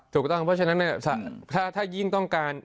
ถูกต้องเพราะฉะนั้นถ้ายิ่งต้องการ